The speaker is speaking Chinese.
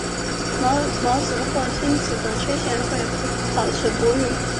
卵子或精子的缺陷会导致不育。